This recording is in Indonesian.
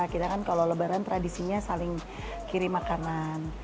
kita kan kalau lebaran tradisinya saling kirim makanan